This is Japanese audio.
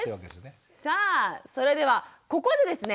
さあそれではここでですね